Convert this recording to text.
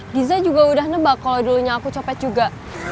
nija juga udah nebak kalo dulunya aku copet juga